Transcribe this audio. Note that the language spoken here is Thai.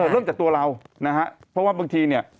เริ่มจากตัวเรานะฮะเพราะว่าบางทีเนี่ย